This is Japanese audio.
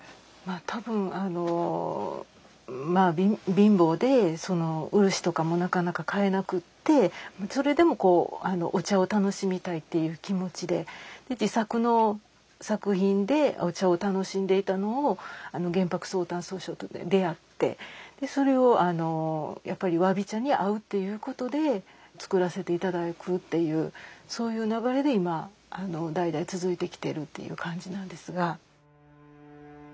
多分まあ貧乏で漆とかもなかなか買えなくってそれでもこうお茶を楽しみたいっていう気持ちで自作の作品でお茶を楽しんでいたのを元伯宗旦宗匠と出会ってそれをやっぱり侘び茶に合うっていうことで作らせて頂くっていうそういう流れで今代々続いてきているという感じなんですが。